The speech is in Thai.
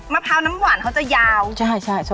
มะพร้าวน้ำหวานเขาจะยาว